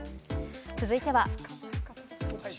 続いては。